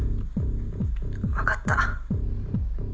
分かった。